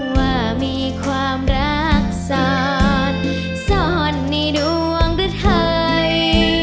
ว่ามีความรักซ่อนซ่อนในดวงริดเฮย